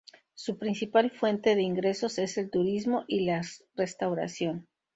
Su principal fuente de ingresos es el turismo y las restauración.